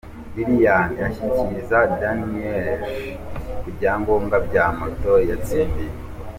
Liliane ashyikiriza Daniel ibyangombwa bya moto yatsindiye.